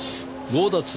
強奪。